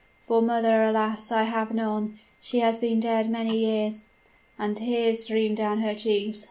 For mother, alas! I have none; she has been dead many years!' And tears streamed down her cheeks.